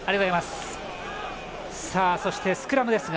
そして、スクラムです。